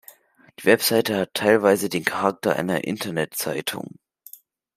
Die Website hat teilweise den Charakter einer Internet-Zeitung.